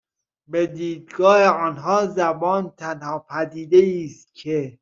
به دیدگاه آنها زبان تنها پدیدهای است که